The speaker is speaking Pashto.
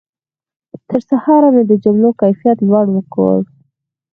تر سهاره مې د جملو کیفیت لوړ کړ.